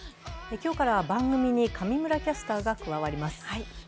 今日から番組に上村キャスターが加わります。